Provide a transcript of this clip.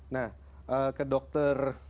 nah ke dokter